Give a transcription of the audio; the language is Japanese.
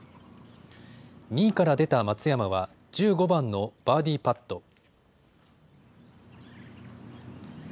２位から出た松山は１５番のバーディーパット。